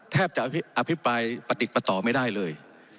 แทบจะอภิปรายปฏิปต่อไม่ได้เลย